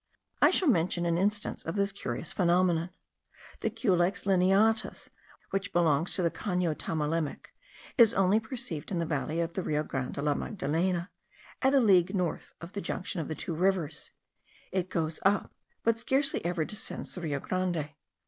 I shall mention an instance of this curious phenomenon. The Culex lineatus, which belongs to the Cano Tamalamec, is only perceived in the valley of the Rio Grande de la Magdalena, at a league north of the junction of the two rivers; it goes up, but scarcely ever descends the Rio Grande.